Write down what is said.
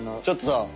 ちょっとさ